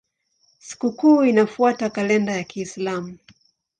Sikukuu inafuata kalenda ya Kiislamu.